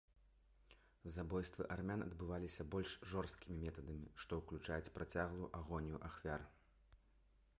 Забойствы армян адбываліся больш жорсткімі метадамі, што ўключаюць працяглую агонію ахвяр.